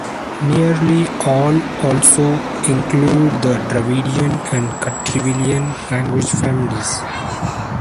Nearly all also include the Dravidian and Kartvelian language families.